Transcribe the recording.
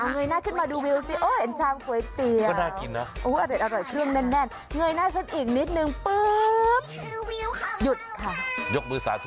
นี่คือก๋วยเตี๋ยวของเรา